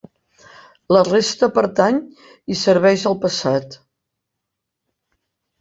La resta pertany i serveix al passat.